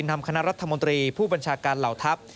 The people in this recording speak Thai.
นำคณะรัฐมนตรีผู้บัญชาการเหล่าทัพ